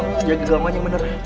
jangan digelamannya bener